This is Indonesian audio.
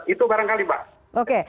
itu barangkali pak